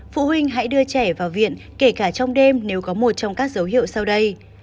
phụ huynh hãy đưa trẻ vào viện kể cả trong đêm nếu có một trong các dấu hiệu sau đây